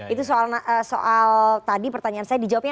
itu soal tadi pertanyaan saya di jawabnya